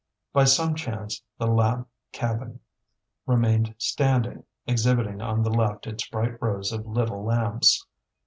By some chance the lamp cabin remained standing, exhibiting on the left its bright rows of little lamps.